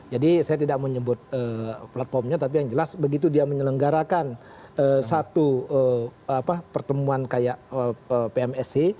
saya tidak menyebut platformnya tapi yang jelas begitu dia menyelenggarakan satu pertemuan kayak pmsc